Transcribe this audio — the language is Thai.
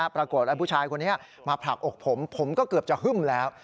ปรากฏว่าผู้ชายคนนี้มาผลักอกผมผมก็เกือบจะฮึ่มแล้ว